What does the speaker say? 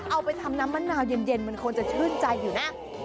เอาไปทำน้ำมะนาวเย็นมันควรจะชื่นใจอยู่นะ